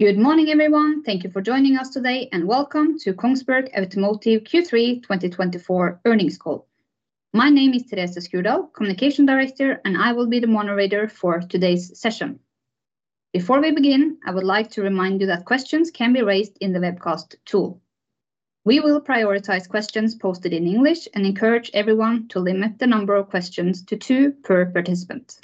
Good morning, everyone. Thank you for joining us today, and welcome to Kongsberg Automotive Q3 2024 earnings call. My name is Therese Skurdal, Communication Director, and I will be the moderator for today's session. Before we begin, I would like to remind you that questions can be raised in the webcast tool. We will prioritize questions posted in English and encourage everyone to limit the number of questions to two per participant.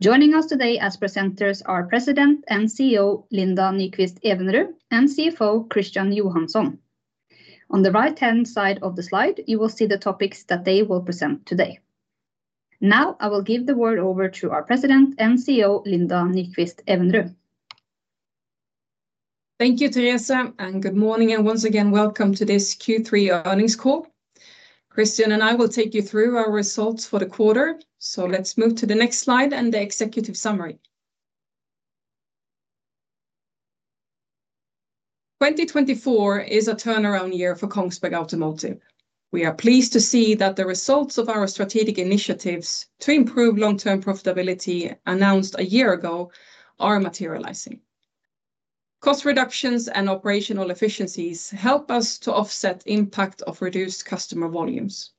Joining us today as presenters are President and CEO Linda Nyquist-Evenrud and CFO Christian Johansson. On the right-hand side of the slide, you will see the topics that they will present today. Now, I will give the word over to our President and CEO Linda Nyquist-Evenrud. Thank you Teresa, and good morning, and once again, welcome to this Q3 earnings call. Christian and I will take you through our results for the quarter, so let's move to the next slide and the executive summary. 2024 is a turnaround year for Kongsberg Automotive. We are pleased to see that the results of our strategic initiatives to improve long-term profitability announced a year ago are materializing. Cost reductions and operational efficiencies help us to offset the impact of reduced customer volumes.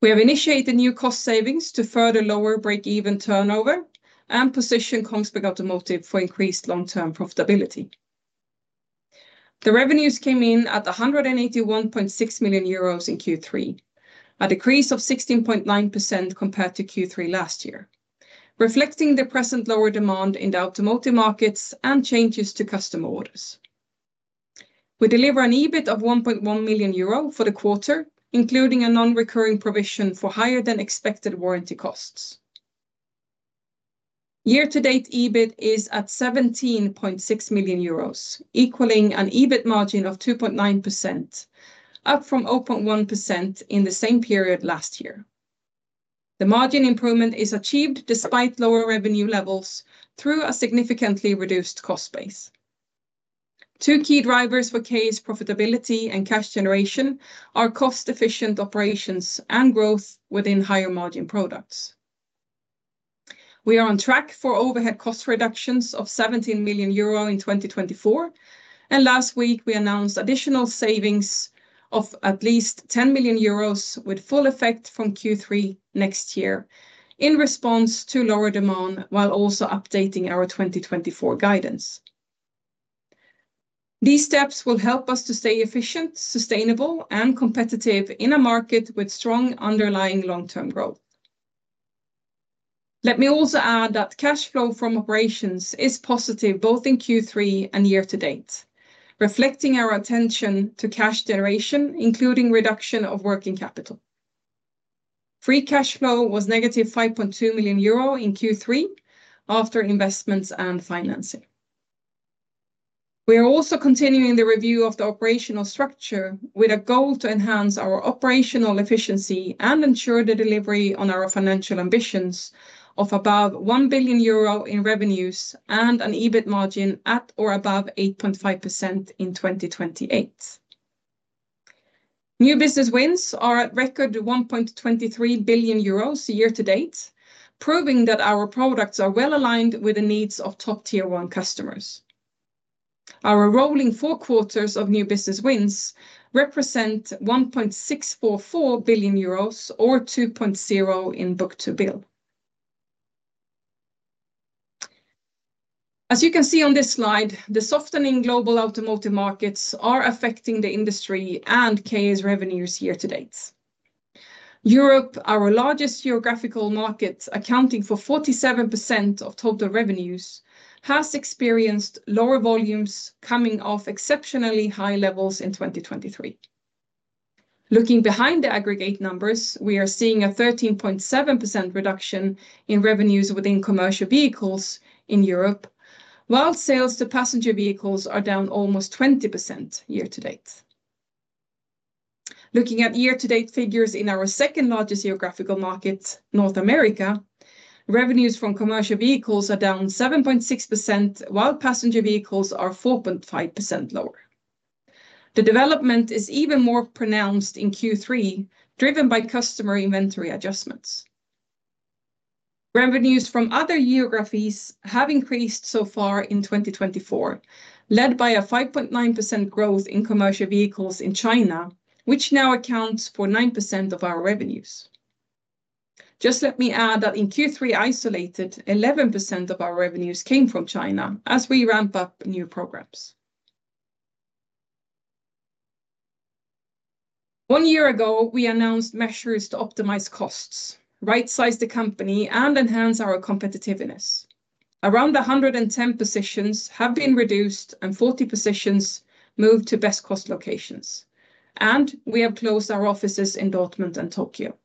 We have initiated new cost savings to further lower break-even turnover and position Kongsberg Automotive for increased long-term profitability. The revenues came in at 181.6 million euros in Q3, a decrease of 16.9% compared to Q3 last year, reflecting the present lower demand in the automotive markets and changes to customer orders. We deliver an EBIT of 1.1 million euro for the quarter, including a non-recurring provision for higher-than-expected warranty costs. Year-to-date EBIT is at 17.6 million euros, equaling an EBIT margin of 2.9%, up from 0.1% in the same period last year. The margin improvement is achieved despite lower revenue levels through a significantly reduced cost base. Two key drivers for KA's profitability and cash generation are cost-efficient operations and growth within higher-margin products. We are on track for overhead cost reductions of 17 million euro in 2024, and last week we announced additional savings of at least 10 million euros with full effect from Q3 next year in response to lower demand while also updating our 2024 guidance. These steps will help us to stay efficient, sustainable, and competitive in a market with strong underlying long-term growth. Let me also add that cash flow from operations is positive both in Q3 and year-to-date, reflecting our attention to cash generation, including reduction of working capital. Free cash flow was 5.2 million euro in Q3 after investments and financing. We are also continuing the review of the operational structure with a goal to enhance our operational efficiency and ensure the delivery on our financial ambitions of above 1 billion euro in revenues and an EBIT margin at or above 8.5% in 2028. New business wins are at record 1.23 billion euros year-to-date, proving that our products are well aligned with the needs of top-tier customers. Our rolling four quarters of new business wins represent 1.644 billion euros, or 2.00 in book-to-bill. As you can see on this slide, the softening global automotive markets are affecting the industry and KA's revenues year-to-date. Europe, our largest geographical market accounting for 47% of total revenues, has experienced lower volumes coming off exceptionally high levels in 2023. Looking behind the aggregate numbers, we are seeing a 13.7% reduction in revenues within commercial vehicles in Europe, while sales to passenger vehicles are down almost 20% year-to-date. Looking at year-to-date figures in our second-largest geographical market, North America, revenues from commercial vehicles are down 7.6%, while passenger vehicles are 4.5% lower. The development is even more pronounced in Q3, driven by customer inventory adjustments. Revenues from other geographies have increased so far in 2024, led by a 5.9% growth in commercial vehicles in China, which now accounts for 9% of our revenues. Just let me add that in Q3 isolated, 11% of our revenues came from China as we ramp up new programs. One year ago, we announced measures to optimize costs, right-size the company, and enhance our competitiveness. Around 110 positions have been reduced and 40 positions moved to best-cost locations, and we have closed our offices in Dortmund and Tokyo.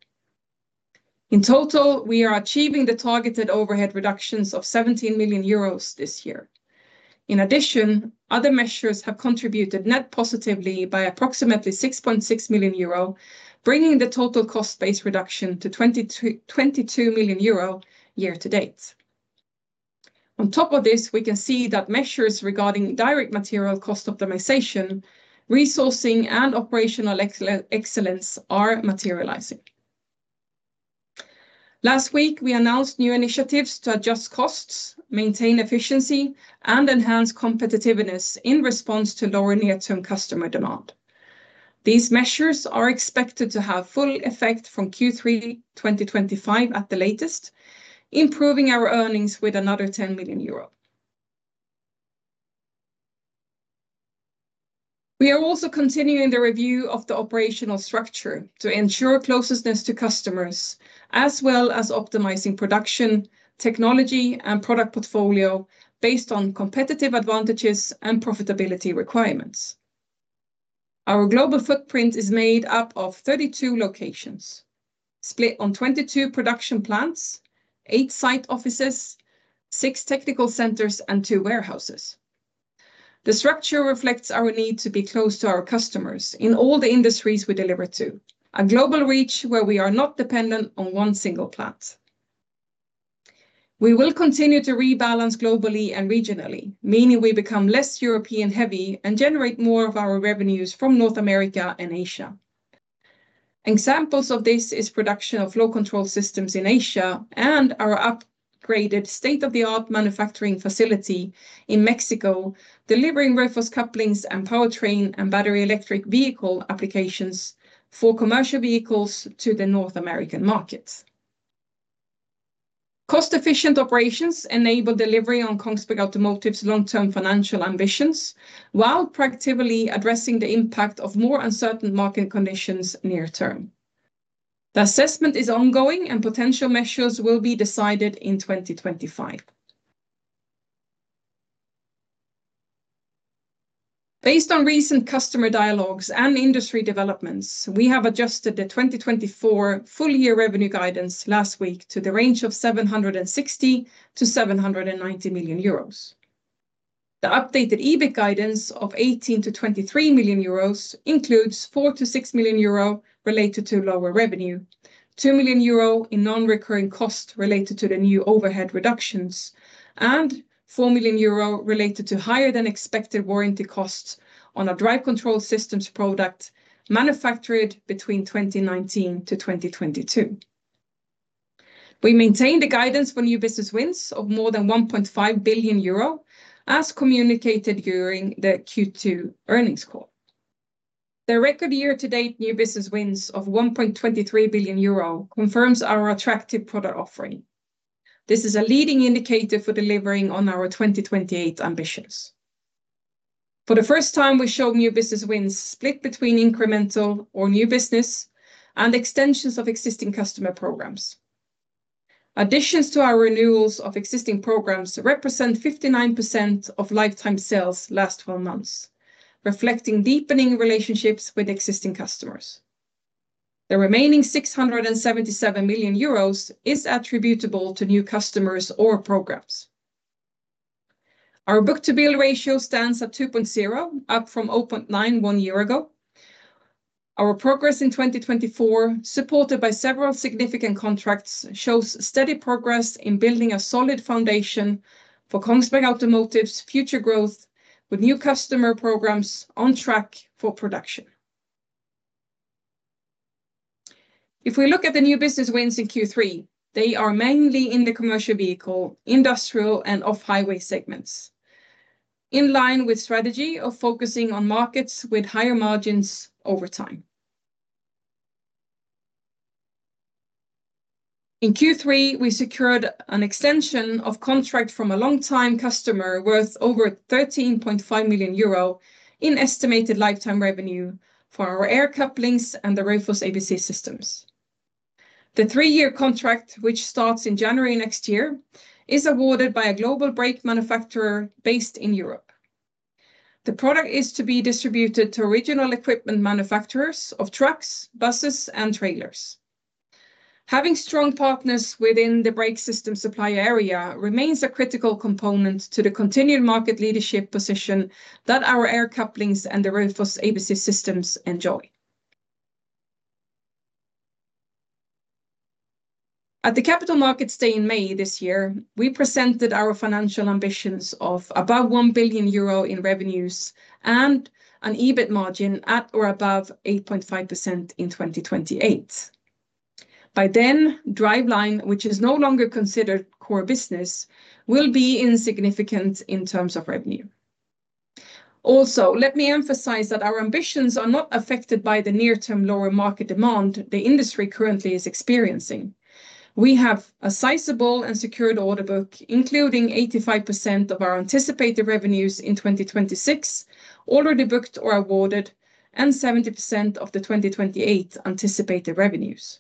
In total, we are achieving the targeted overhead reductions of 17 million euros this year. In addition, other measures have contributed net positively by approximately 6.6 million euro, bringing the total cost-based reduction to 22 million euro year-to-date. On top of this, we can see that measures regarding direct material cost optimization, resourcing, and operational excellence are materializing. Last week, we announced new initiatives to adjust costs, maintain efficiency, and enhance competitiveness in response to lower near-term customer demand. These measures are expected to have full effect from Q3 2025 at the latest, improving our earnings with another 10 million euro. We are also continuing the review of the operational structure to ensure closeness to customers, as well as optimizing production, technology, and product portfolio based on competitive advantages and profitability requirements. Our global footprint is made up of 32 locations, split on 22 production plants, eight site offices, six technical centers, and two warehouses. The structure reflects our need to be close to our customers in all the industries we deliver to, a global reach where we are not dependent on one single plant. We will continue to rebalance globally and regionally, meaning we become less European-heavy and generate more of our revenues from North America and Asia. Examples of this are the production of Flow Control Systems in Asia and our upgraded state-of-the-art manufacturing facility in Mexico, delivering Raufoss couplings and powertrain and battery electric vehicle applications for commercial vehicles to the North American market. Cost-efficient operations enable delivery on Kongsberg Automotive's long-term financial ambitions while proactively addressing the impact of more uncertain market conditions near term. The assessment is ongoing, and potential measures will be decided in 2025. Based on recent customer dialogues and industry developments, we have adjusted the 2024 full-year revenue guidance last week to the range of EUR 760million-790 million. The updated EBIT guidance of EUR 18million-23 million includes EUR 4million-6 million related to lower revenue, 2 million euro in non-recurring costs related to the new overhead reductions, and 4 million euro related to higher-than-expected warranty costs on a Drive Control Systems product manufactured between 2019 to 2022. We maintain the guidance for new business wins of more than 1.5 billion euro, as communicated during the Q2 earnings call. The record year-to-date new business wins of 1.23 billion euro confirms our attractive product offering. This is a leading indicator for delivering on our 2028 ambitions. For the first time, we show new business wins split between incremental or new business and extensions of existing customer programs. Additions to our renewals of existing programs represent 59% of lifetime sales last 12 months, reflecting deepening relationships with existing customers. The remaining 677 million euros is attributable to new customers or programs. Our book-to-bill ratio stands at 2.0, up from 0.9 one year ago. Our progress in 2024, supported by several significant contracts, shows steady progress in building a solid foundation for Kongsberg Automotive's future growth, with new customer programs on track for production. If we look at the new business wins in Q3, they are mainly in the commercial vehicle, industrial, and off-highway segments, in line with the strategy of focusing on markets with higher margins over time. In Q3, we secured an extension of contract from a long-time customer worth over 13.5 million euro in estimated lifetime revenue for our air couplings and the Raufoss ABC systems. The three-year contract, which starts in January next year, is awarded by a global brake manufacturer based in Europe. The product is to be distributed to regional equipment manufacturers of trucks, buses, and trailers. Having strong partners within the brake system supply area remains a critical component to the continued market leadership position that our air couplings and the Raufoss ABC systems enjoy. At the Capital Markets Day in May this year, we presented our financial ambitions of above 1 billion euro in revenues and an EBIT margin at or above 8.5% in 2028. By then, Driveline, which is no longer considered core business, will be insignificant in terms of revenue. Also, let me emphasize that our ambitions are not affected by the near-term lower market demand the industry currently is experiencing. We have a sizable and secured order book, including 85% of our anticipated revenues in 2026, already booked or awarded, and 70% of the 2028 anticipated revenues.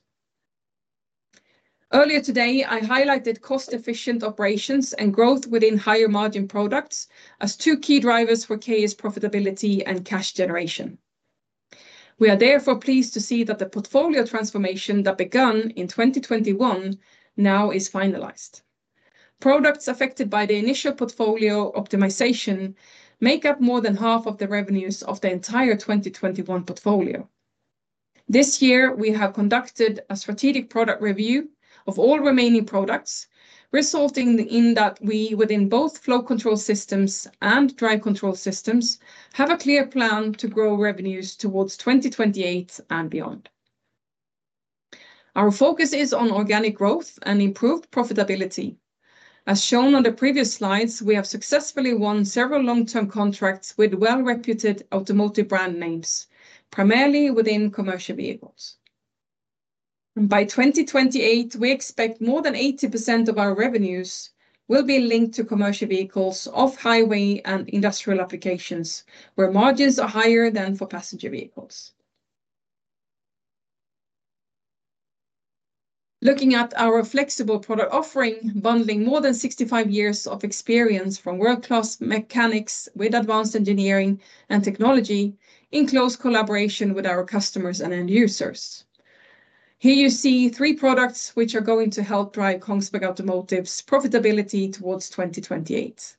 Earlier today, I highlighted cost-efficient operations and growth within higher-margin products as two key drivers for KA's profitability and cash generation. We are therefore pleased to see that the portfolio transformation that began in 2021 now is finalized. Products affected by the initial portfolio optimization make up more than half of the revenues of the entire 2021 portfolio. This year, we have conducted a strategic product review of all remaining products, resulting in that we, within both flow control systems and Drive Control Systems, have a clear plan to grow revenues towards 2028 and beyond. Our focus is on organic growth and improved profitability. As shown on the previous slides, we have successfully won several long-term contracts with well-reputed automotive brand names, primarily within commercial vehicles. By 2028, we expect more than 80% of our revenues will be linked to commercial vehicles off-highway and industrial applications, where margins are higher than for passenger vehicles. Looking at our flexible product offering, bundling more than 65 years of experience from world-class mechanics with advanced engineering and technology in close collaboration with our customers and end users. Here you see three products which are going to help drive Kongsberg Automotive's profitability towards 2028.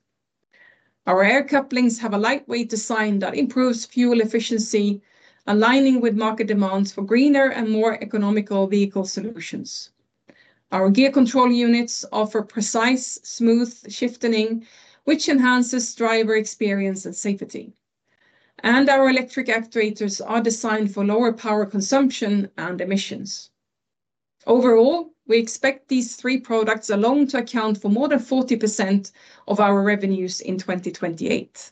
Our air couplings have a lightweight design that improves fuel efficiency, aligning with market demands for greener and more economical vehicle solutions. Our gear control units offer precise, smooth shifting, which enhances driver experience and safety. And our electric actuators are designed for lower power consumption and emissions. Overall, we expect these three products alone to account for more than 40% of our revenues in 2028.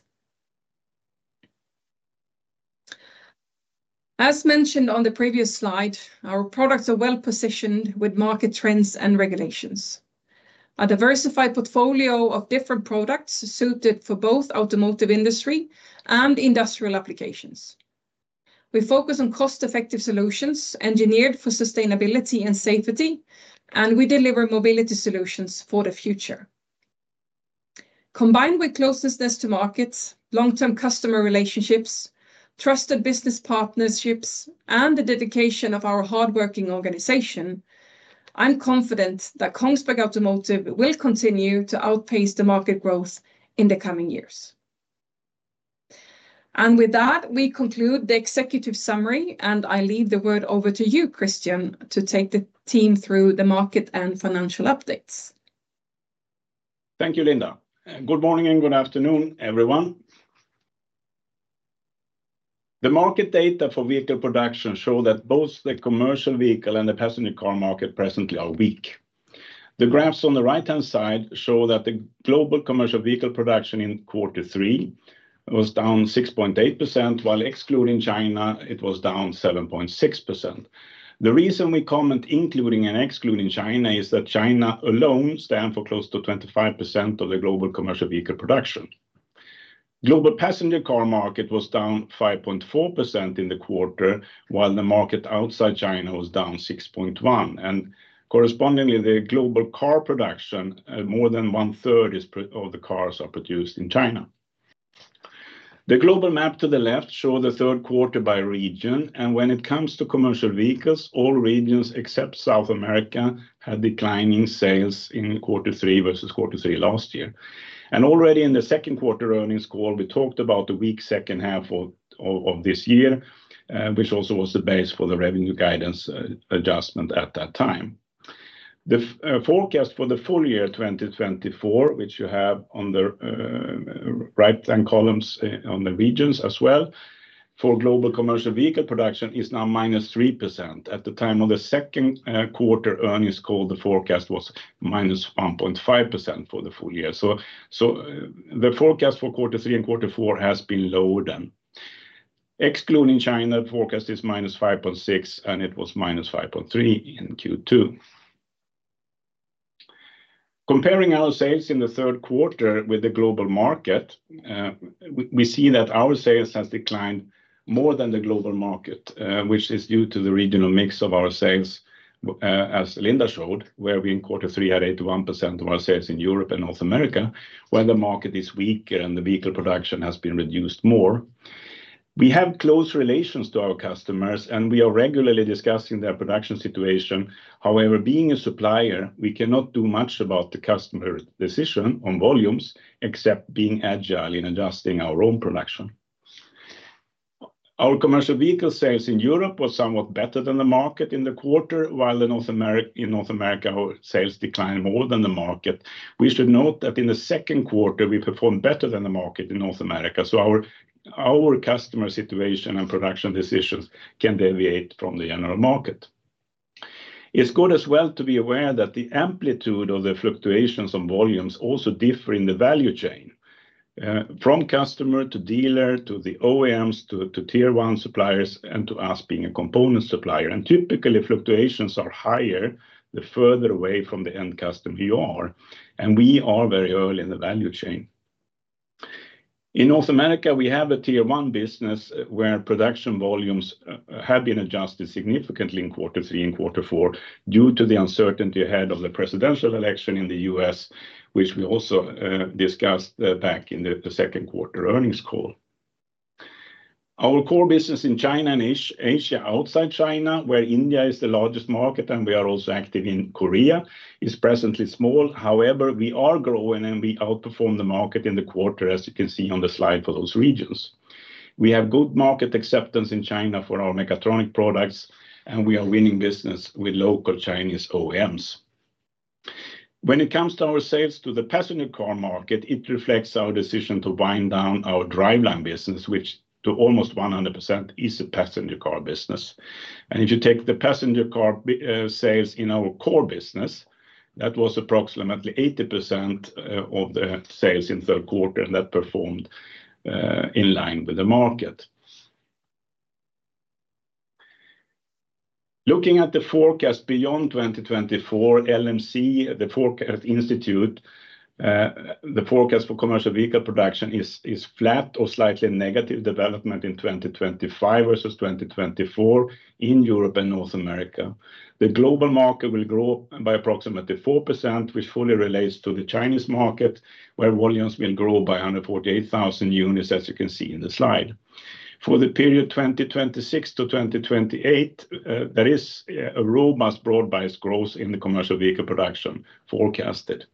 As mentioned on the previous slide, our products are well-positioned with market trends and regulations. A diversified portfolio of different products suited for both the automotive industry and industrial applications. We focus on cost-effective solutions engineered for sustainability and safety, and we deliver mobility solutions for the future. Combined with closeness to markets, long-term customer relationships, trusted business partnerships, and the dedication of our hardworking organization, I'm confident that Kongsberg Automotive will continue to outpace the market growth in the coming years. And with that, we conclude the executive summary, and I leave the word over to you, Christian, to take the team through the market and financial updates. Thank you, Linda. Good morning and good afternoon, everyone. The market data for vehicle production show that both the commercial vehicle and the passenger car market presently are weak. The graphs on the right-hand side show that the global commercial vehicle production in Q3 was down 6.8%, while excluding China, it was down 7.6%. The reason we comment including and excluding China is that China alone stands for close to 25% of the global commercial vehicle production. The global passenger car market was down 5.4% in the quarter, while the market outside China was down 6.1%. Correspondingly, the global car production, more than one-third of the cars are produced in China. The global map to the left shows the third quarter by region, and when it comes to commercial vehicles, all regions, except South America, had declining sales in Q3 versus Q3 last year. Already in the second quarter earnings call, we talked about the weak second half of this year, which also was the base for the revenue guidance adjustment at that time. The forecast for the full year 2024, which you have on the right-hand columns on the regions as well, for global commercial vehicle production is now -3%. At the time of the second quarter earnings call, the forecast was -1.5% for the full year. So the forecast for Q3 and Q4 has been lower than. Excluding China, the forecast is -5.6%, and it was -5.3% in Q2. Comparing our sales in the third quarter with the global market, we see that our sales have declined more than the global market, which is due to the regional mix of our sales, as Linda showed, where we in Q3 had 81% of our sales in Europe and North America, where the market is weaker and the vehicle production has been reduced more. We have close relations to our customers, and we are regularly discussing their production situation. However, being a supplier, we cannot do much about the customer's decision on volumes, except being agile in adjusting our own production. Our commercial vehicle sales in Europe were somewhat better than the market in the quarter, while in North America, our sales declined more than the market. We should note that in the second quarter, we performed better than the market in North America. So our customer situation and production decisions can deviate from the general market. It's good as well to be aware that the amplitude of the fluctuations on volumes also differs in the value chain, from customer to dealer to the OEMs to Tier one suppliers and to us being a component supplier, and typically, fluctuations are higher the further away from the end customer you are, and we are very early in the value chain. In North America, we have a Tier one business where production volumes have been adjusted significantly in Q3 and Q4 due to the uncertainty ahead of the presidential election in the U.S., which we also discussed back in the second quarter earnings call. Our core business in China and Asia outside China, where India is the largest market and we are also active in Korea, is presently small. However, we are growing and we outperform the market in the quarter, as you can see on the slide for those regions. We have good market acceptance in China for our mechatronic products, and we are winning business with local Chinese OEMs. When it comes to our sales to the passenger car market, it reflects our decision to wind down our driveline business, which to almost 100% is a passenger car business, and if you take the passenger car sales in our core business, that was approximately 80% of the sales in the third quarter, and that performed in line with the market. Looking at the forecast beyond 2024, LMC, the Forecast Institute, the forecast for commercial vehicle production is flat or slightly negative development in 2025 vs. 2024 in Europe and North America. The global market will grow by approximately 4%, which fully relates to the Chinese market, where volumes will grow by 148,000 units, as you can see in the slide. For the period 2026 to 2028, there is a robust broad-based growth in the commercial vehicle production forecasted.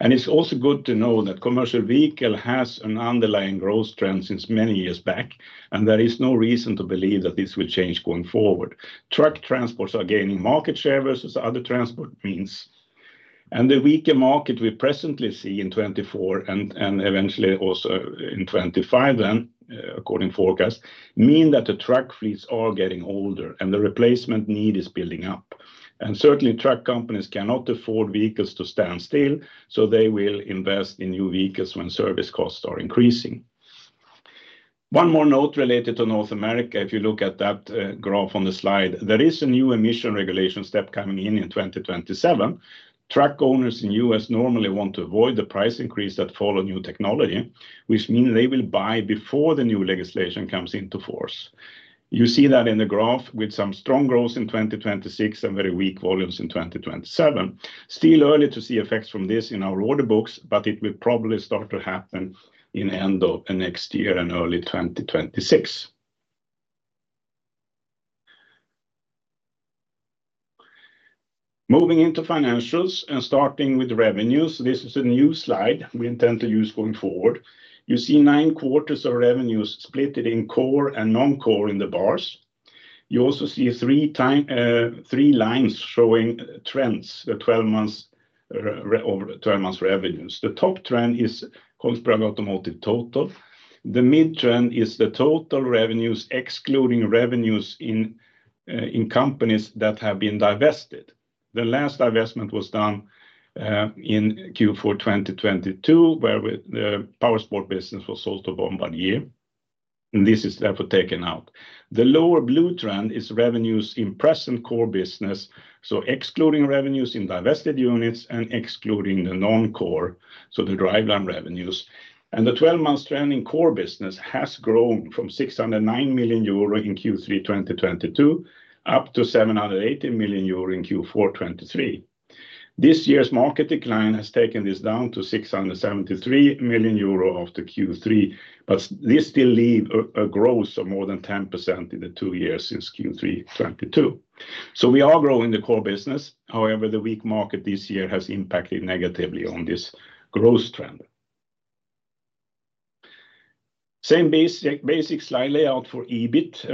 And it's also good to know that commercial vehicles have an underlying growth trend since many years back, and there is no reason to believe that this will change going forward. Truck transports are gaining market share versus other transport means. And the weaker market we presently see in 2024 and eventually also in 2025 then, according to forecast, means that the truck fleets are getting older and the replacement need is building up. And certainly, truck companies cannot afford vehicles to stand still, so they will invest in new vehicles when service costs are increasing. One more note related to North America, if you look at that graph on the slide, there is a new emission regulation step coming in in 2027. Truck owners in the U.S. normally want to avoid the price increase that follows new technology, which means they will buy before the new legislation comes into force. You see that in the graph with some strong growth in 2026 and very weak volumes in 2027. Still early to see effects from this in our order books, but it will probably start to happen in the end of next year and early 2026. Moving into financials and starting with revenues, this is a new slide we intend to use going forward. You see nine quarters of revenues split in core and non-core in the bars. You also see three lines showing trends, the 12-month revenues. The top trend is Kongsberg Automotive Total. The mid-trend is the total revenues, excluding revenues in companies that have been divested. The last divestment was done in Q4 2022, where the power sports business was sold for one year. And this is therefore taken out. The lower blue trend is revenues in present core business, so excluding revenues in divested units and excluding the non-core, so the Driveline revenues. And the 12-month trend in core business has grown from 609 million euro in Q3 2022 up to 780 million euro in Q4 2023. This year's market decline has taken this down to 673 million euro after Q3, but this still leaves a growth of more than 10% in the two years since Q3 2022. So we are growing the core business. However, the weak market this year has impacted negatively on this growth trend. Same basic slide layout for EBIT.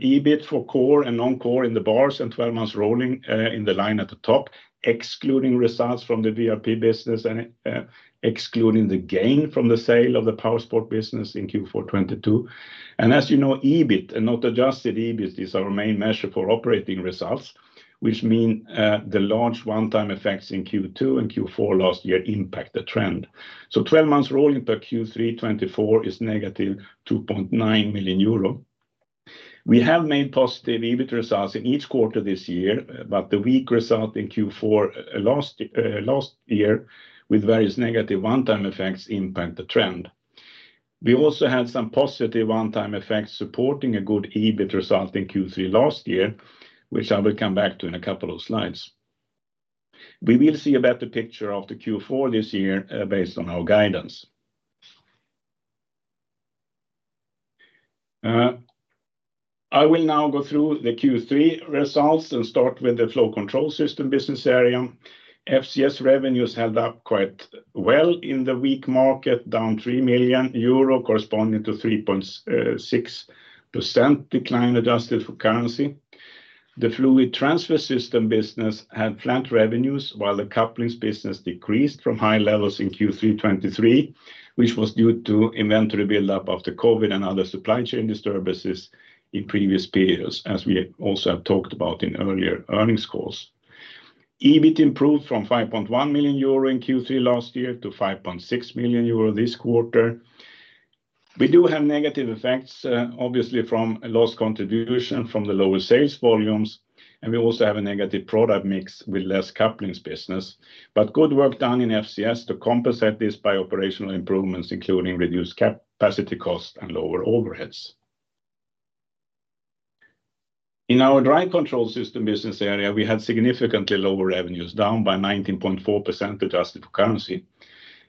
EBIT for core and non-core in the bars and 12-month rolling in the line at the top, excluding results from the BRP business and excluding the gain from the sale of the power sport business in Q4 2022. And as you know, EBIT and not Adjusted EBIT is our main measure for operating results, which means the large one-time effects in Q2 and Q4 last year impact the trend. So 12-month rolling per Q3 2024 is negative 2.9 million euro. We have made positive EBIT results in each quarter this year, but the weak result in Q4 last year with various negative one-time effects impact the trend. We also had some positive one-time effects supporting a good EBIT result in Q3 last year, which I will come back to in a couple of slides. We will see a better picture of the Q4 this year based on our guidance. I will now go through the Q3 results and start with the Flow Control Systems business area. FCS revenues held up quite well in the weak market, down 3 million euro, corresponding to 3.6% decline adjusted for currency. The fluid transfer system business had flat revenues, while the couplings business decreased from high levels in Q3 2023, which was due to inventory buildup after COVID and other supply chain disturbances in previous periods, as we also have talked about in earlier earnings calls. EBIT improved from 5.1 million euro in Q3 last year to 5.6 million euro this quarter. We do have negative effects, obviously, from lost contribution from the lower sales volumes, and we also have a negative product mix with less couplings business. But good work done in FCS to compensate this by operational improvements, including reduced capacity costs and lower overheads. In our Drive Control Systems business area, we had significantly lower revenues, down by 19.4% adjusted for currency.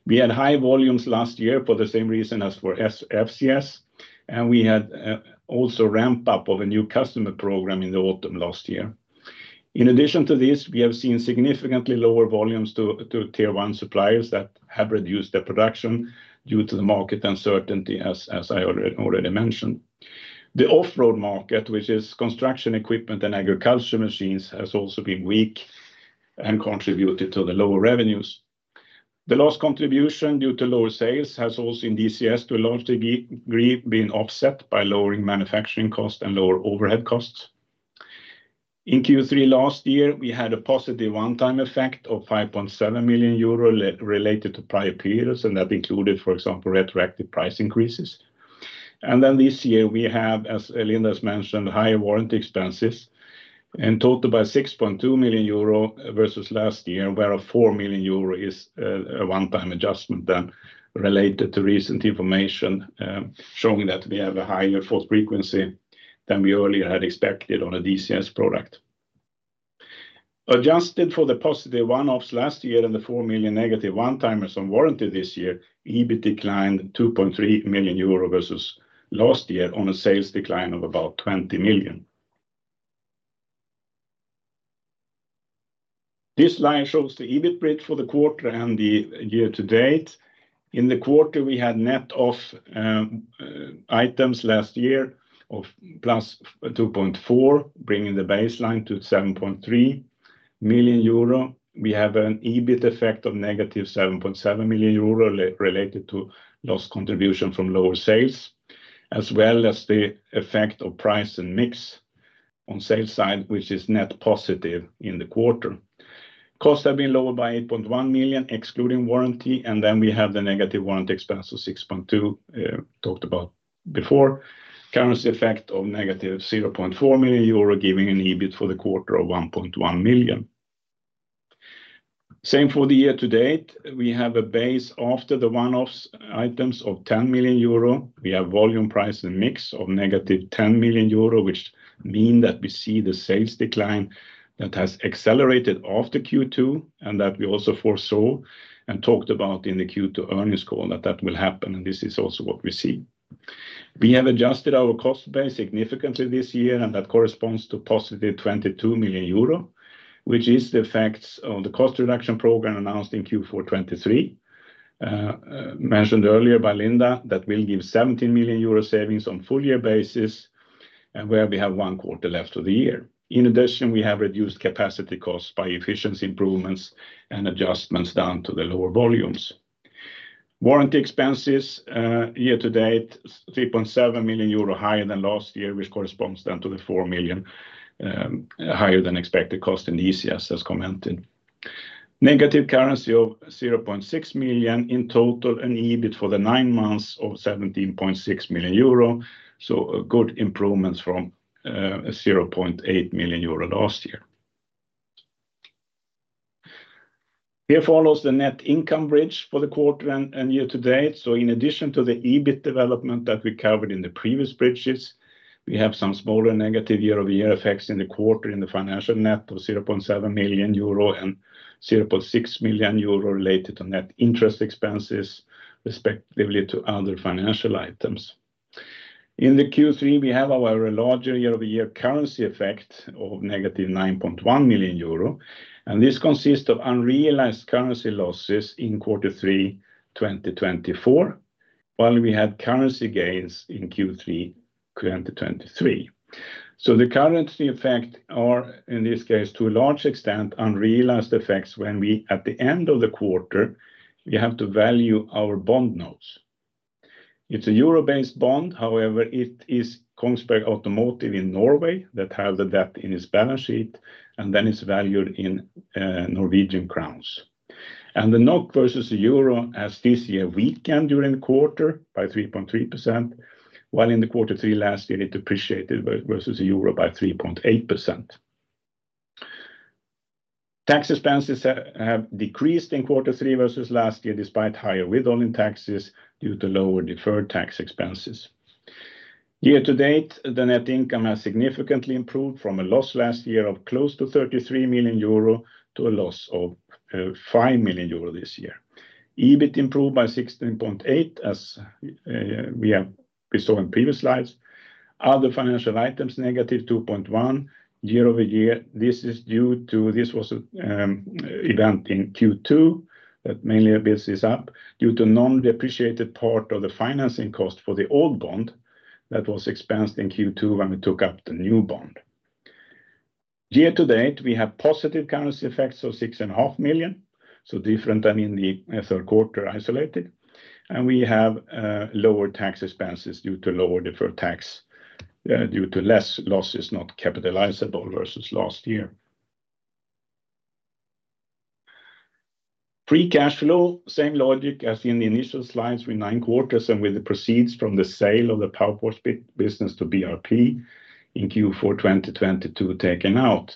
We had high volumes last year for the same reason as for FCS, and we had also ramp-up of a new customer program in the autumn last year. In addition to this, we have seen significantly lower volumes to Tier one suppliers that have reduced their production due to the market uncertainty, as I already mentioned. The off-highway market, which is construction equipment and agricultural machines, has also been weak and contributed to the lower revenues. The lost contribution due to lower sales has also in DCS to a large degree been offset by lowering manufacturing costs and lower overhead costs. In Q3 last year, we had a positive one-time effect of 5.7 million euro related to prior periods, and that included, for example, retroactive price increases. Then this year, we have, as Linda has mentioned, higher warranty expenses in total by 6.2 million euro versus last year, where 4 million euro is a one-time adjustment, then related to recent information showing that we have a higher fault frequency than we earlier had expected on a DCS product. Adjusted for the positive one-offs last year and the 4 million negative one-timers on warranty this year, EBIT declined 2.3 million euro versus last year on a sales decline of about 20 million EUR. This line shows the EBIT bridge for the quarter and the year to date. In the quarter, we had net of items last year of plus 2.4 million EUR, bringing the baseline to 7.3 million euro. We have an EBIT effect of negative 7.7 million euro related to lost contribution from lower sales, as well as the effect of price and mix on sales side, which is net positive in the quarter. Costs have been lowered by 8.1 million, excluding warranty, and then we have the negative warranty expense of 6.2 million, talked about before. Currency effect of negative 0.4 million euro, giving an EBIT for the quarter of 1.1 million. Same for the year to date, we have a base after the one-offs items of 10 million euro. We have volume price and mix of negative 10 million euro, which means that we see the sales decline that has accelerated after Q2 and that we also foresaw and talked about in the Q2 earnings call that that will happen, and this is also what we see. We have adjusted our cost base significantly this year, and that corresponds to positive 22 million euro, which is the effects of the cost reduction program announced in Q4 2023, mentioned earlier by Linda, that will give 17 million euro savings on a full-year basis, and where we have one quarter left of the year. In addition, we have reduced capacity costs by efficiency improvements and adjustments down to the lower volumes. Warranty expenses, year to date, 3.7 million euro higher than last year, which corresponds then to the 4 million higher than expected cost in DCS, as commented. Negative currency of 0.6 million in total and EBIT for the nine months of 17.6 million euro, so good improvements from 0.8 million euro last year. Here follows the net income bridge for the quarter and year to date. So in addition to the EBIT development that we covered in the previous bridges, we have some smaller negative year-over-year effects in the quarter in the financial net of 0.7 million euro and 0.6 million euro related to net interest expenses, respectively to other financial items. In the Q3, we have our larger year-over-year currency effect of negative 9.1 million euro, and this consists of unrealized currency losses in quarter three 2024, while we had currency gains in Q3 2023. So the currency effect are, in this case, to a large extent, unrealized effects when we, at the end of the quarter, have to value our bond notes. It's a euro-based bond. However, it is Kongsberg Automotive in Norway that has the debt in its balance sheet, and then it's valued in Norwegian crowns. The NOK versus the euro has this year weakened during the quarter by 3.3%, while in quarter three last year, it appreciated versus the euro by 3.8%. Tax expenses have decreased in quarter three versus last year, despite higher withholding taxes due to lower deferred tax expenses. Year to date, the net income has significantly improved from a loss last year of close to 33 million euro to a loss of 5 million euro this year. EBIT improved by 16.8, as we saw in previous slides. Other financial items negative 2.1 year-over-year. This is due to an event in Q2 that mainly builds this up due to non-depreciated part of the financing cost for the old bond that was expensed in Q2 when we took up the new bond. Year to date, we have positive currency effects of 6.5 million, so different than in the third quarter isolated, and we have lower tax expenses due to lower deferred tax due to less losses not capitalizable versus last year. Free cash flow, same logic as in the initial slides with nine quarters and with the proceeds from the sale of the power sports business to BRP in Q4 2022 taken out.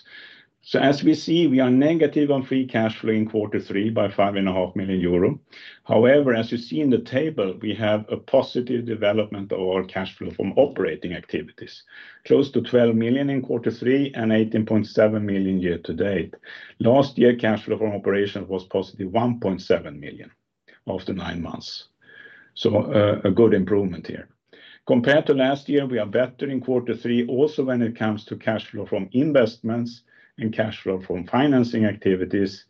So as we see, we are negative on free cash flow in quarter three by 5.5 million euro. However, as you see in the table, we have a positive development of our cash flow from operating activities, close to 12 million in quarter three and 18.7 million year to date. Last year, cash flow from operation was positive 1.7 million after nine months, so a good improvement here. Compared to last year, we are better in quarter three, also when it comes to cash flow from investments and cash flow from financing activities.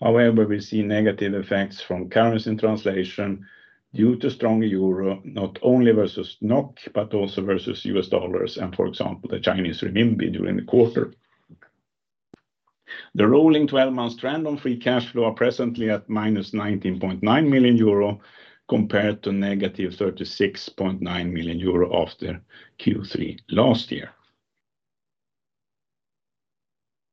However, we see negative effects from currency translation due to strong euro, not only versus NOK, but also versus US dollars and, for example, the Chinese renminbi during the quarter. The rolling 12-month trend on free cash flow is presently at -19.9 million euro compared to negative 36.9 million euro after Q3 last year.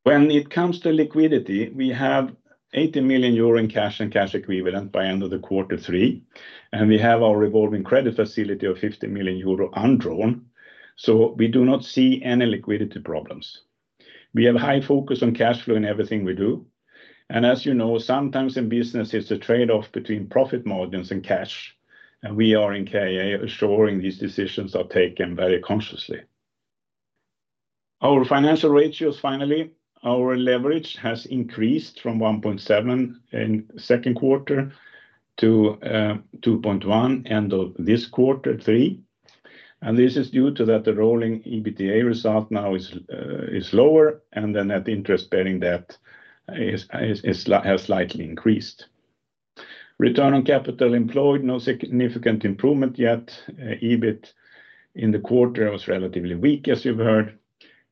When it comes to liquidity, we have 18 million euro in cash and cash equivalents by the end of quarter three, and we have our revolving credit facility of 50 million euro undrawn, so we do not see any liquidity problems. We have a high focus on cash flow in everything we do, and as you know, sometimes in business, it's a trade-off between profit margins and cash, and we are in KA assuring these decisions are taken very consciously. Our financial ratios, finally, our leverage has increased from 1.7 in second quarter to 2.1 end of this quarter three, and this is due to that the rolling EBITDA result now is lower, and then net interest bearing debt has slightly increased. Return on capital employed, no significant improvement yet. EBIT in the quarter was relatively weak, as you've heard.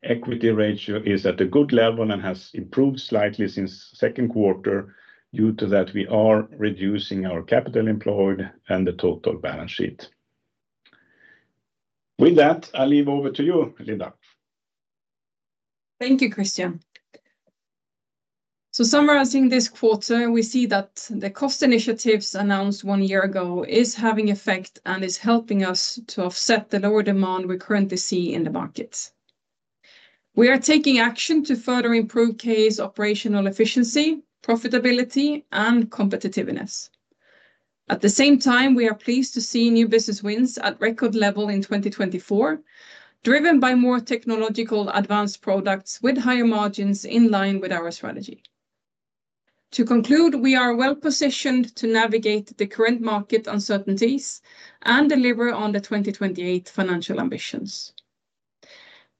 Equity ratio is at a good level and has improved slightly since second quarter due to that we are reducing our capital employed and the total balance sheet. With that, I'll leave over to you, Linda. Thank you, Christian. Summarizing this quarter, we see that the cost initiatives announced one year ago are having effect and are helping us to offset the lower demand we currently see in the markets. We are taking action to further improve KA's operational efficiency, profitability, and competitiveness. At the same time, we are pleased to see new business wins at record level in 2024, driven by more technological advanced products with higher margins in line with our strategy. To conclude, we are well positioned to navigate the current market uncertainties and deliver on the 2028 financial ambitions.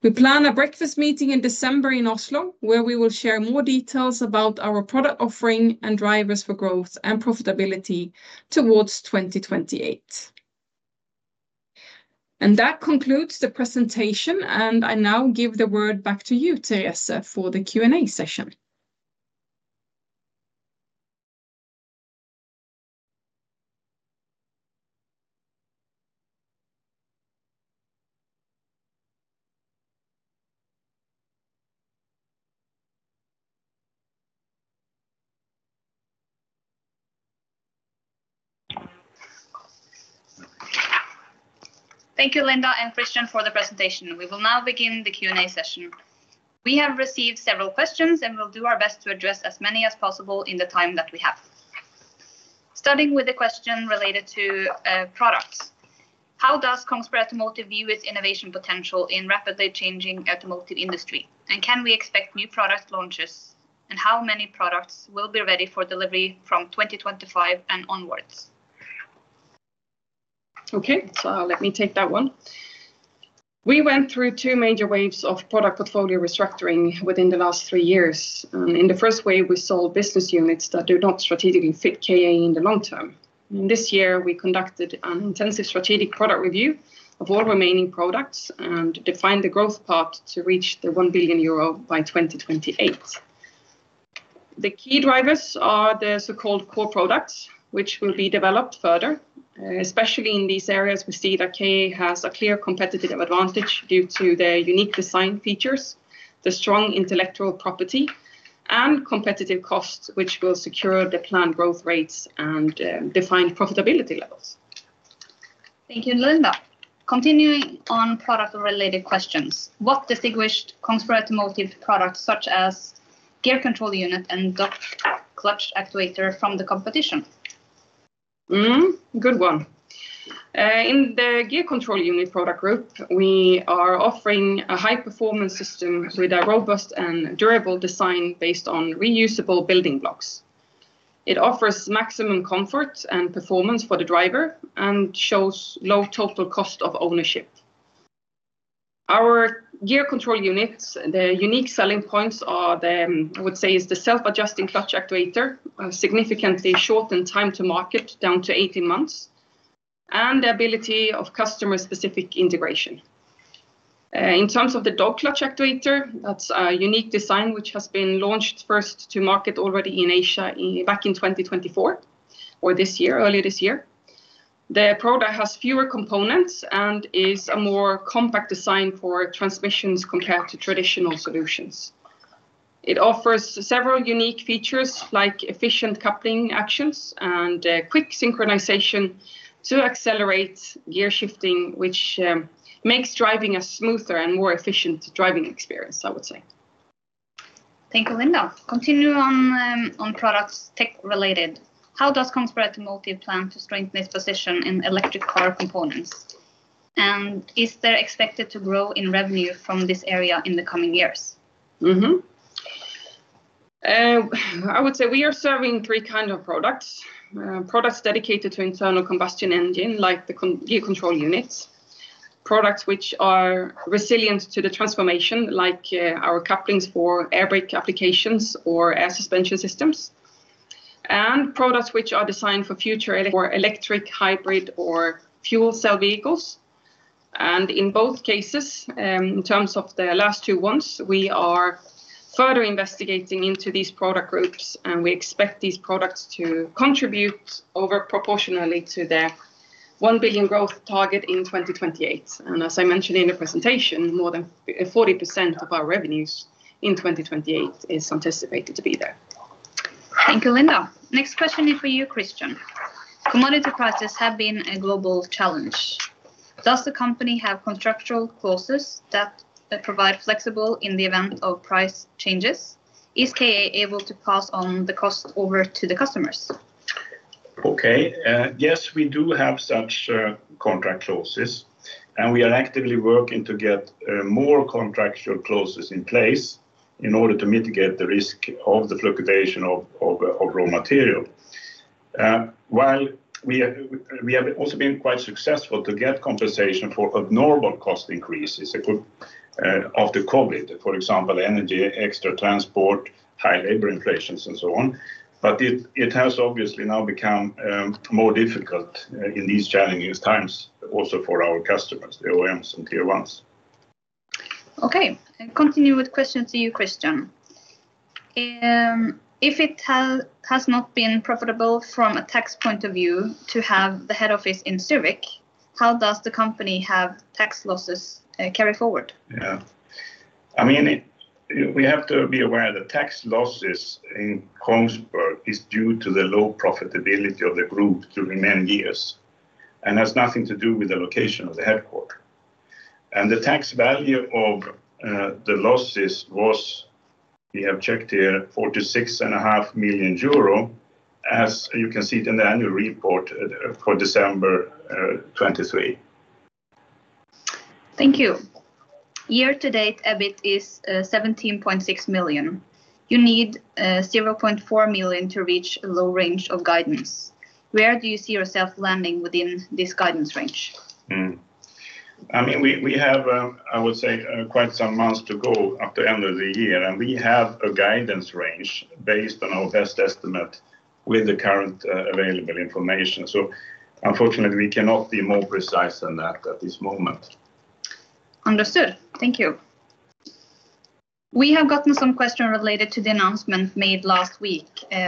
We plan a breakfast meeting in December in Oslo, where we will share more details about our product offering and drivers for growth and profitability towards 2028. And that concludes the presentation, and I now give the word back to you, Teresa, for the Q&A session. Thank you, Linda and Christian, for the presentation. We will now begin the Q&A session. We have received several questions, and we'll do our best to address as many as possible in the time that we have. Starting with a question related to products. How does Kongsberg Automotive view its innovation potential in the rapidly changing automotive industry? And can we expect new product launches? And how many products will be ready for delivery from 2025 and onwards? Okay, so let me take that one. We went through two major waves of product portfolio restructuring within the last three years. In the first wave, we saw business units that do not strategically fit KA in the long term. This year, we conducted an intensive strategic product review of all remaining products and defined the growth path to reach 1 billion euro by 2028. The key drivers are the so-called core products, which will be developed further. Especially in these areas, we see that KA has a clear competitive advantage due to their unique design features, the strong intellectual property, and competitive costs, which will secure the planned growth rates and defined profitability levels. Thank you, Linda. Continuing on product-related questions, what distinguished Kongsberg Automotive products such as gear control unit and dog clutch actuator from the competition? Good one. In the gear control unit product group, we are offering a high-performance system with a robust and durable design based on reusable building blocks. It offers maximum comfort and performance for the driver and shows low total cost of ownership. Our gear control units, the unique selling points are, I would say, the self-adjusting clutch actuator, significantly shortened time to market down to 18 months, and the ability of customer-specific integration. In terms of the dog clutch actuator, that's a unique design which has been launched first to market already in Asia back in 2024 or this year, earlier this year. The product has fewer components and is a more compact design for transmissions compared to traditional solutions. It offers several unique features like efficient coupling actions and quick synchronization to accelerate gear shifting, which makes driving a smoother and more efficient driving experience, I would say. Thank you Linda. Continuing on products tech-related, how does Kongsberg Automotive plan to strengthen its position in electric car components? And is there expected to grow in revenue from this area in the coming years? I would say we are serving three kinds of products: products dedicated to internal combustion engine, like the gear control units, products which are resilient to the transformation, like our couplings for air brake applications or air suspension systems, and products which are designed for future electric hybrid or fuel cell vehicles. And in both cases, in terms of the last two ones, we are further investigating into these product groups, and we expect these products to contribute overproportionally to their 1 billion growth target in 2028. And as I mentioned in the presentation, more than 40% of our revenues in 2028 is anticipated to be there. Thank you Linda. Next question is for you, Christian. Commodity prices have been a global challenge. Does the company have contractual clauses that provide flexibility in the event of price changes? Is KA able to pass on the cost over to the customers? Okay, yes, we do have such contract clauses, and we are actively working to get more contractual clauses in place in order to mitigate the risk of the fluctuation of raw material. While we have also been quite successful to get compensation for abnormal cost increases after COVID, for example, energy, extra transport, high labor inflations, and so on, but it has obviously now become more difficult in these challenging times also for our customers, the OEMs and tier ones. Okay, continuing with questions to you, Christian. If it has not been profitable from a tax point of view to have the head office in Zürich, how does the company have tax losses carry forward? Yeah, I mean, we have to be aware that tax losses in Kongsberg are due to the low profitability of the group during many years and have nothing to do with the location of the headquarters, and the tax value of the losses was, we have checked here, 46.5 million euro, as you can see it in the annual report for December 2023. Thank you. Year-to-date, EBIT is 17.6 million. You need 0.4 million to reach a low range of guidance. Where do you see yourself landing within this guidance range? I mean, we have, I would say, quite some months to go at the end of the year, and we have a guidance range based on our best estimate with the current available information. So, unfortunately, we cannot be more precise than that at this moment. Understood. Thank you. We have gotten some questions related to the announcement made last week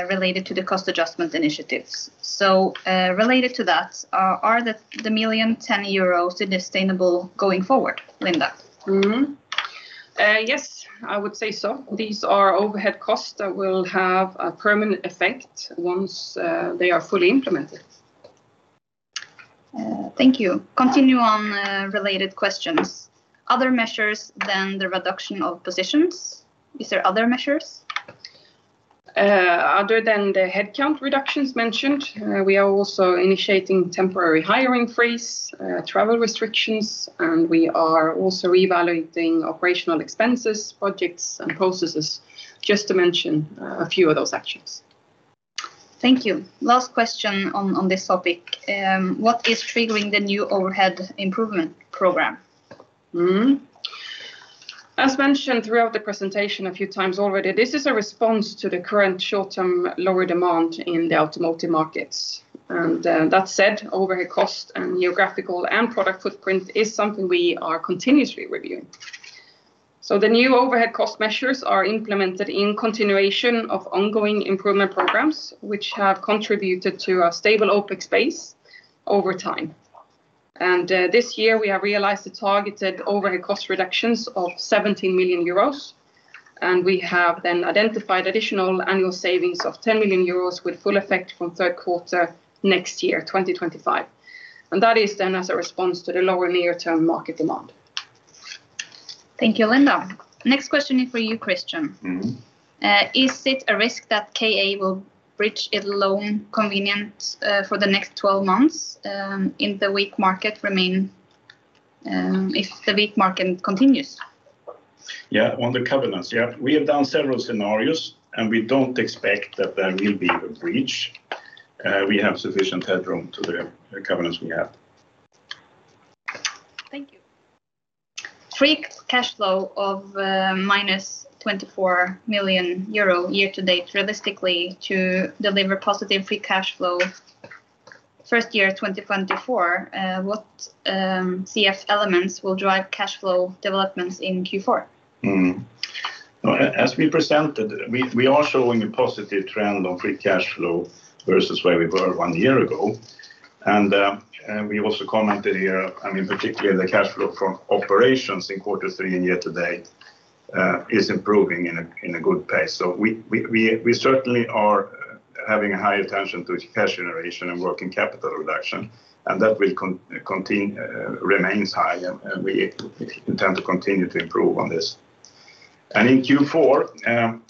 related to the cost adjustment initiatives. So, related to that, are the 1 million sustainable going forward, Linda? Yes, I would say so. These are overhead costs that will have a permanent effect once they are fully implemented. Thank you. Continuing on related questions. Other measures than the reduction of positions? Is there other measures? Other than the headcount reductions mentioned, we are also initiating a temporary hiring freeze, travel restrictions, and we are also reevaluating operational expenses, projects, and processes, just to mention a few of those actions. Thank you. Last question on this topic. What is triggering the new overhead improvement program? As mentioned throughout the presentation a few times already, this is a response to the current short-term lower demand in the automotive markets. That said, overhead cost and geographical and product footprint is something we are continuously reviewing. The new overhead cost measures are implemented in continuation of ongoing improvement programs, which have contributed to a stable OpEx over time. This year, we have realized the targeted overhead cost reductions of 17 million euros, and we have then identified additional annual savings of 10 million euros with full effect from third quarter next year, 2025. That is then as a response to the lower near-term market demand. Thank you, Linda. Next question is for you, Christian. Is it a risk that KA will breach its loan covenants for the next 12 months in the weak market if the weak market continues? Yeah, on the covenants, yeah. We have done several scenarios, and we don't expect that there will be a breach. We have sufficient headroom to the covenants we have. Thank you. Free cash flow of -24 million euro year to date, realistically, to deliver positive free cash flow first year 2024, what CF elements will drive cash flow developments in Q4? As we presented, we are showing a positive trend on free cash flow versus where we were one year ago. And we also commented here, I mean, particularly the cash flow from operations in quarter three and year to date is improving in a good pace. So, we certainly are having a high attention to cash generation and working capital reduction, and that will remains high, and we intend to continue to improve on this. And in Q4,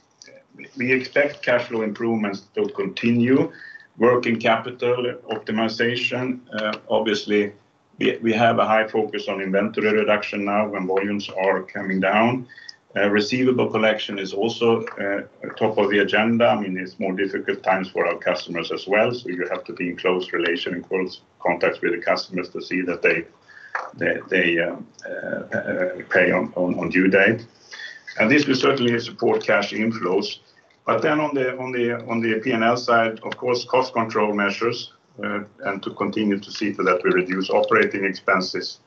we expect cash flow improvements to continue, working capital optimization. Obviously, we have a high focus on inventory reduction now when volumes are coming down. Receivable collection is also top of the agenda. I mean, it's more difficult times for our customers as well, so you have to be in close relation and close contacts with the customers to see that they pay on due date. And this will certainly support cash inflows. But then on the P&L side, of course, cost control measures and to continue to see that we reduce operating expenses.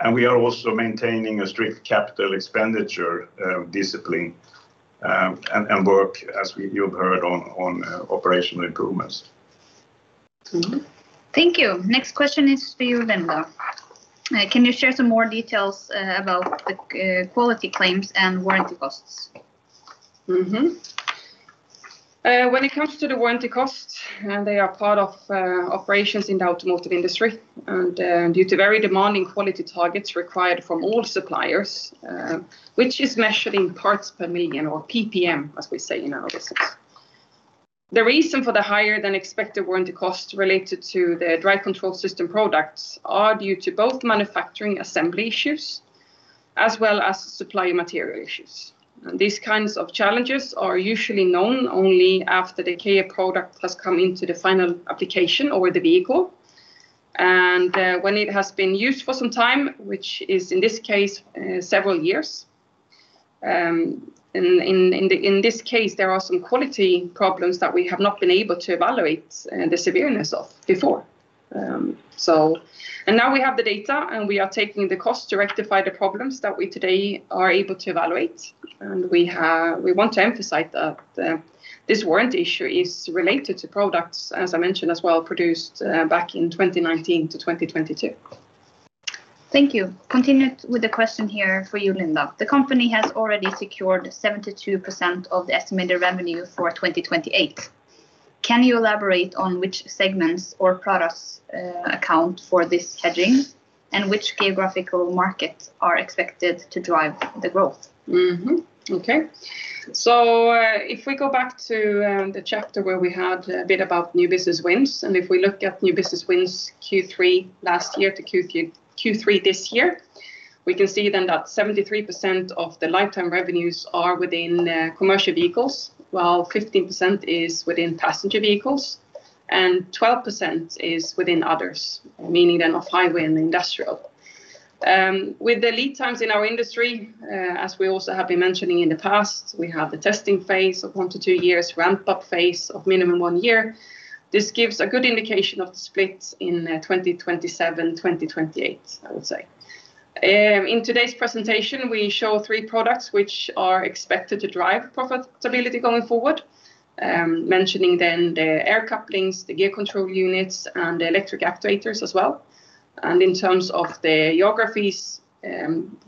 And we are also maintaining a strict capital expenditure discipline and work, as you've heard, on operational improvements. Thank you. Next question is for you, Linda. Can you share some more details about the quality claims and warranty costs? When it comes to the warranty costs, they are part of operations in the automotive industry and due to very demanding quality targets required from all suppliers, which is measured in parts per million or PPM, as we say in our business. The reason for the higher than expected warranty costs related to the Drive Control Systems products is due to both manufacturing assembly issues as well as supply material issues. These kinds of challenges are usually known only after the KA product has come into the final application or the vehicle. When it has been used for some time, which is in this case several years, there are some quality problems that we have not been able to evaluate the severity of before. Now we have the data, and we are taking the cost to rectify the problems that we today are able to evaluate. We want to emphasize that this warranty issue is related to products, as I mentioned as well, produced back in 2019 to 2022. Thank you. Continuing with the question here for you, Linda. The company has already secured 72% of the estimated revenue for 2028. Can you elaborate on which segments or products account for this hedging and which geographical markets are expected to drive the growth? Okay. So, if we go back to the chapter where we had a bit about new business wins, and if we look at new business wins Q3 last year to Q3 this year, we can see then that 73% of the lifetime revenues are within commercial vehicles, while 15% is within passenger vehicles, and 12% is within others, meaning then off-highway and industrial. With the lead times in our industry, as we also have been mentioning in the past, we have the testing phase of one to two years, ramp-up phase of minimum one year. This gives a good indication of the split in 2027, 2028, I would say. In today's presentation, we show three products which are expected to drive profitability going forward, mentioning then the air couplings, the gear control units, and the electric actuators as well. In terms of the geographies,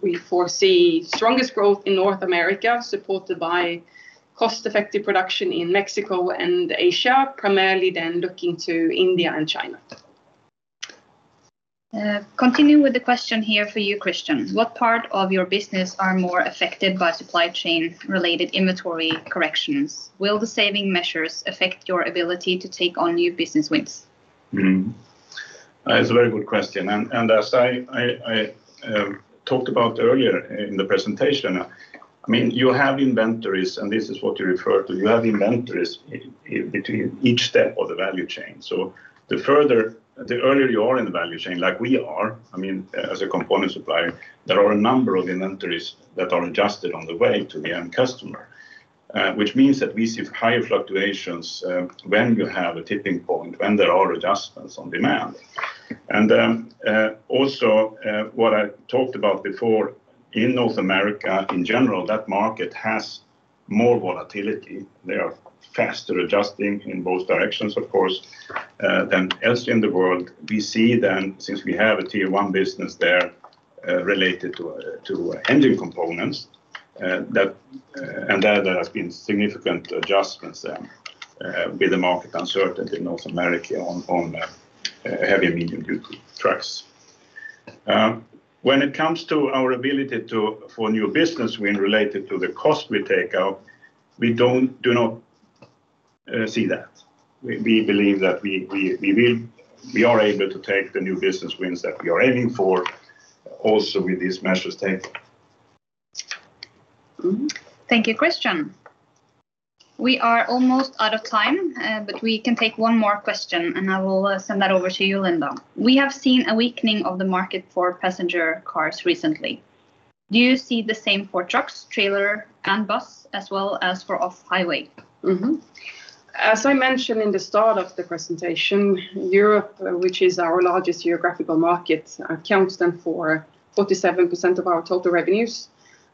we foresee strongest growth in North America, supported by cost-effective production in Mexico and Asia, primarily then looking to India and China. Continuing with the question here for you, Christian. What part of your business are more affected by supply chain-related inventory corrections? Will the saving measures affect your ability to take on new business wins? It's a very good question. As I talked about earlier in the presentation, I mean, you have inventories, and this is what you refer to, you have inventories between each step of the value chain. So, the earlier you are in the value chain, like we are, I mean, as a component supplier, there are a number of inventories that are adjusted on the way to the end customer, which means that we see higher fluctuations when you have a tipping point, when there are adjustments on demand. And also, what I talked about before, in North America in general, that market has more volatility. They are faster adjusting in both directions, of course, than elsewhere in the world. We see then, since we have a Tier one business there related to engine components, and there have been significant adjustments with the market uncertainty in North America on heavy and medium-duty trucks. When it comes to our ability for new business win related to the cost we take out, we do not see that. We believe that we are able to take the new business wins that we are aiming for also with these measures taken. Thank you, Christian. We are almost out of time, but we can take one more question, and I will send that over to you, Linda. We have seen a weakening of the market for passenger cars recently. Do you see the same for trucks, trailer, and bus, as well as for off-highway? As I mentioned in the start of the presentation, Europe, which is our largest geographical market, accounts then for 47% of our total revenues.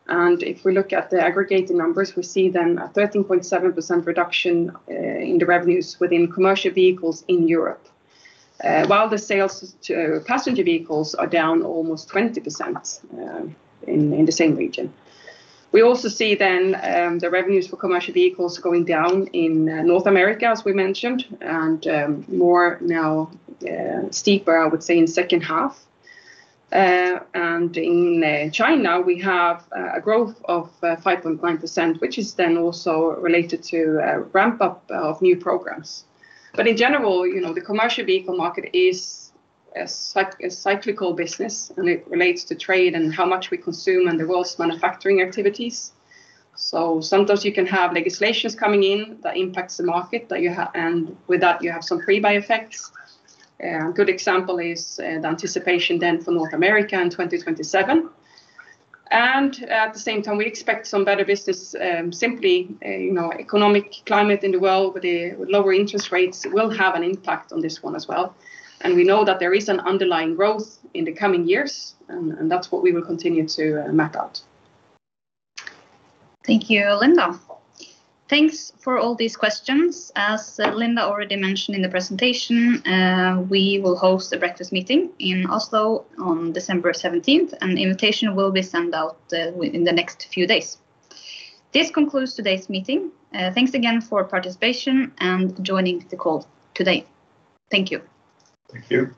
And if we look at the aggregated numbers, we see then a 13.7% reduction in the revenues within commercial vehicles in Europe, while the sales to passenger vehicles are down almost 20% in the same region. We also see then the revenues for commercial vehicles going down in North America, as we mentioned, and more now steeper, I would say, in second half. And in China, we have a growth of 5.9%, which is then also related to ramp-up of new programs. But in general, the commercial vehicle market is a cyclical business, and it relates to trade and how much we consume and the world's manufacturing activities. So, sometimes you can have legislations coming in that impact the market, and with that, you have some pre-buy effects. A good example is the anticipation then for North America in 2027. And at the same time, we expect some better business; simply economic climate in the world with lower interest rates will have an impact on this one as well. And we know that there is an underlying growth in the coming years, and that's what we will continue to map out. Thank you, Linda. Thanks for all these questions. As Linda already mentioned in the presentation, we will host a breakfast meeting in Oslo on December 17th, and invitations will be sent out within the next few days. This concludes today's meeting. Thanks again for participation and joining the call today. Thank you. Thank you.